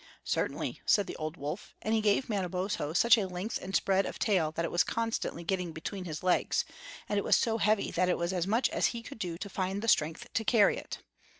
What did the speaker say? "Certainly," said the old wolf; and he gave Mana bozho such a length and spread of tail that it was constantly getting between his legs, and it was so heavy that it was as much as he could do to find strength to carry it.